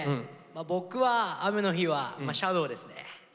僕は雨の日はシャドーですね。